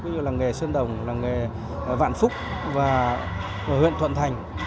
như làng nghề sơn đồng làng nghề vạn phúc và hội huyện thuận thành